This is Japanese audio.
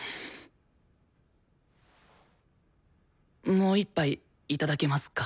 もう一杯いただけますか？